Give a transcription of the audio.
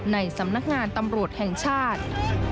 ในสำนักงานตำรวจแห่งชาติ